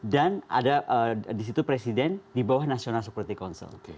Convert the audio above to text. dan ada di situ presiden di bawah national security council